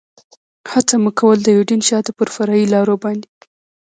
هڅه مو کول، د یوډین شاته پر فرعي لارو باندې.